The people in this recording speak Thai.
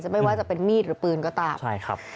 ไม่ว่าจะเป็นมีดหรือปืนก็ตาม